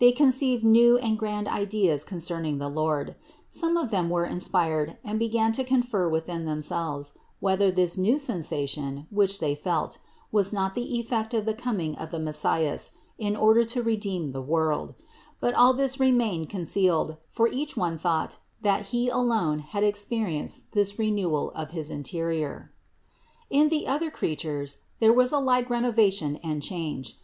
They conceived new and grand ideas concerning the Lord; some of them were inspired and began to confer within themselves, whether this new sensation, which they felt, was not the effect of the coming of the Messias in order to redeem the world ; but all this remained concealed, for each one thought, that he alone had experienced this renewal of his interior. 130. In the other creatures there was a like renovation and change.